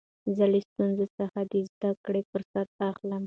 زه له ستونزو څخه د زدکړي فرصت اخلم.